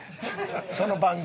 その番組。